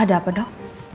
ada apa dok